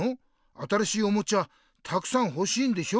新しいおもちゃたくさんほしいんでしょ？